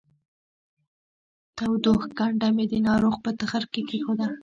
تودوښ کنډه مې د ناروغ په تخرګ کې کېښوده